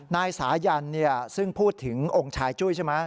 นายสายันซึ่งพูดถึงองค์ชายจุ้ยใช่ไหม